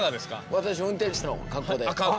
私運転士の格好で。